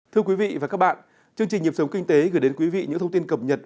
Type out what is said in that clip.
thưa quý vị và các bạn chương trình nhịp sống kinh tế gửi đến quý vị những thông tin cập nhật